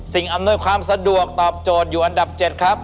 อำนวยความสะดวกตอบโจทย์อยู่อันดับ๗ครับ